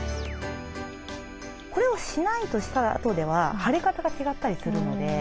これをしないとしたあとでは腫れ方が違ったりするので。